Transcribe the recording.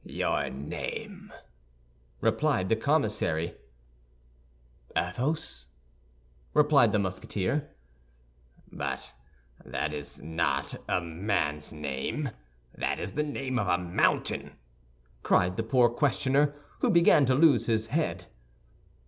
"Your name?" replied the commissary. "Athos," replied the Musketeer. "But that is not a man's name; that is the name of a mountain," cried the poor questioner, who began to lose his head.